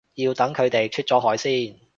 要等佢哋出咗海先